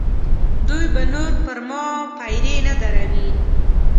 دوی به نور پر ما پیرې نه دروي.